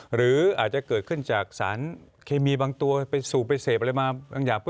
หรืออาจจะเกิดขึ้นจากสารเคมีบางตัวสูบไปเสพอะไรมา